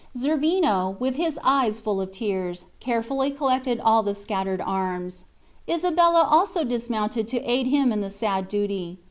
Zerbino, with his eyes full of tears, carefully collected all the scattered arms. Isabella also dismounted to aid him in the sad duty.